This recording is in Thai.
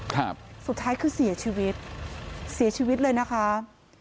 ครับสุดท้ายคือเสียชีวิตเสียชีวิตเลยนะคะ